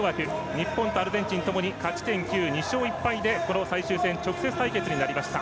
日本とアルゼンチンともに勝ち点９、２勝１敗でこの最終戦直接対決になりました。